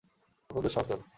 কত দুঃসাহস তোর!